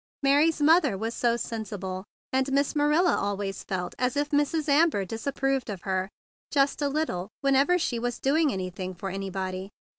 Mary's mother was so sensible, and Miss Marilla always felt as if Mrs. Amber disapproved of her just a little whenever she was doing anything for anybody.